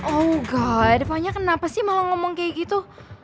oh my god vanya kenapa sih malah ngomong kayak gitu